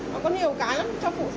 nó có nhiều cái lắm cho phụ da các thứ